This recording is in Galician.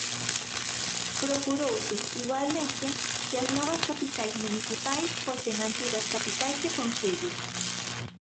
Procurouse, igualmente, que as novas capitais municipais fosen antigas capitais de concello.